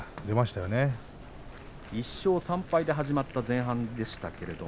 １勝３敗で始まった前半です。